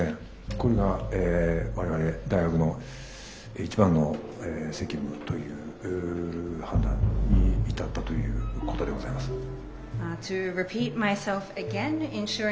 これが我々大学の一番の責務という判断に至ったということでございます。